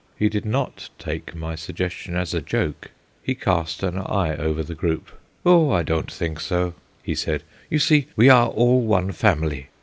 He did not take my suggestion as a joke. He cast an eye over the group. "Oh, I don't think so," he said; "you see, we are all one family."